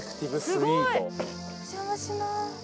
すごい！お邪魔します。